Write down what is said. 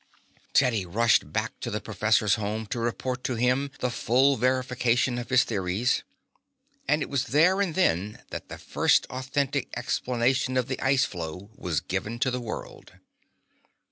Teddy rushed back to the professor's home to report to him the full verification of his theories, and it was there and then that the first authentic explanation of the ice floe was given to the world.